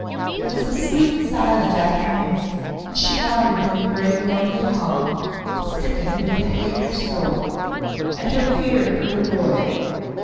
It was a sweet and silent afternoon and she wandered in the great and lonely hall, sickened with the hate in her soul and her fear for her boy.